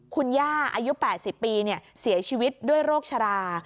คุณย่าอายุ๘๐ปีเสียชีวิตด้วยโรคชรา